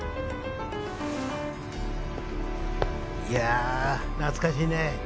いや懐かしいね